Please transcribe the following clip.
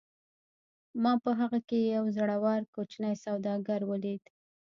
ما په هغه کې یو زړور کوچنی سوداګر ولید